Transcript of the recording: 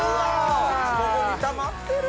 ここにたまってる！